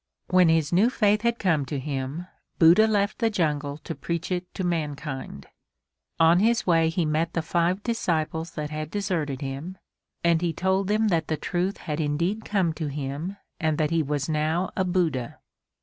When his new faith had come to him, Buddha left the jungle to preach it to mankind. On his way he met the five disciples that had deserted him and he told them that the truth had indeed come to him and that he was now a Buddha.